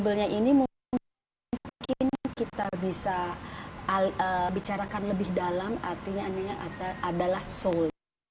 oke mungkin saya buka kembali bahwa hari yang indah ini atau hari batiknya itu ruhnya seperti batik